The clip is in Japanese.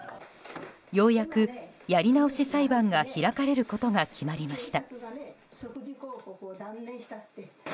ようやく、やり直し裁判が開かれることが決まりました。